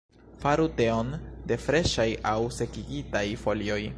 Faru teon de freŝaj aŭ sekigitaj folioj.